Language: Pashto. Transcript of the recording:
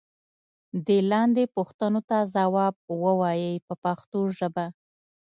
دې لاندې پوښتنو ته ځواب و وایئ په پښتو ژبه.